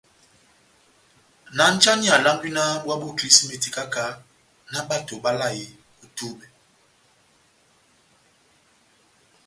náh njáni alángwí náh búwá bó kilísímeti káha-káha, náh bato báláyeni ó túbɛ?